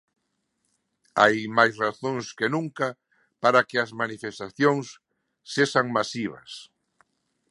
"Hai máis razóns que nunca para que as manifestacións sexan masivas".